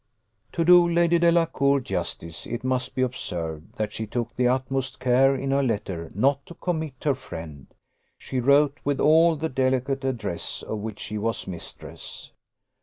To do Lady Delacour justice, it must be observed, that she took the utmost care in her letter not to commit her friend; she wrote with all the delicate address of which she was mistress.